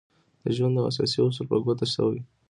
د ژوند يو اساسي اصول په ګوته شوی.